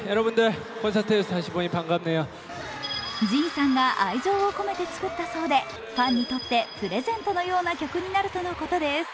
ＪＩＮさんが愛情を込めて作ったそうで、ファンにとってプレゼントのような曲になるとのことです。